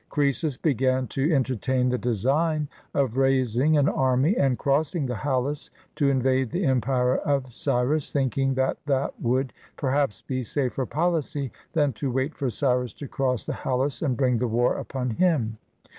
Croesus began to enter tain the design of raising an army and crossing the Halys to invade the empire of Cyrus, thinking that that would perhaps be safer policy than to wait for Cyrus to cross the Halys, and bring the war upon him.